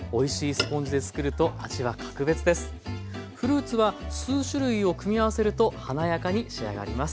フルーツは数種類を組み合わせると華やかに仕上がります。